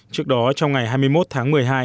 trước đó trong ngày hai mươi một tháng một mươi hai